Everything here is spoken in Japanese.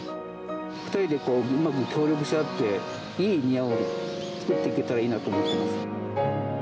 ２人でうまく協力し合っていい庭を造っていけたらいいなと思ってます。